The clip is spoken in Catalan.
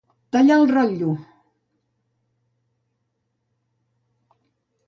Tallar el rotllo.